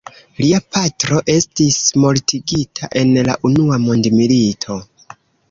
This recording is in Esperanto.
Lia patro estis mortigita en la unua mondmilito.